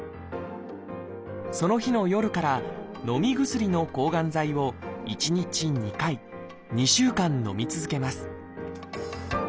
その日の夜からのみ薬の抗がん剤を１日２回２週間のみ続けます。